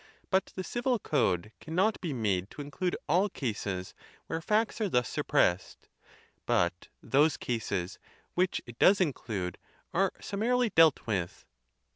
But the civil code cannot be made to include all cases where facts are thus suppressed; but those cases which it does include are summarily dealt with.